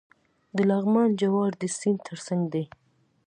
د لغمان جوار د سیند ترڅنګ دي.